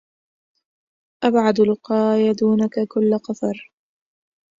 أبعد لقاي دونك كل قفر